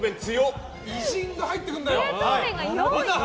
偉人が入ってくるんだよ。